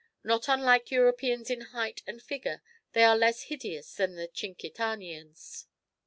Not unlike Europeans in height and figure, they are less hideous than the Tchinkitaneans.